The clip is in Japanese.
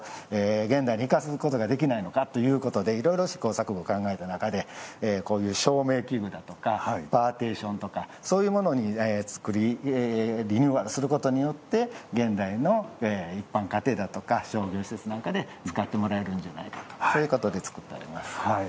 現代に生かすことができないのかということでいろいろ試行錯誤、考えた中でこういう照明器具だとかパーティションとかそういうものにリニューアルすることによって現代の一般家庭だとか商業施設なんかで使ってもらえるんじゃないかということで作っております。